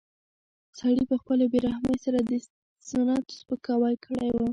سړي په خپلې بې رحمۍ سره د سنتو سپکاوی کړی و.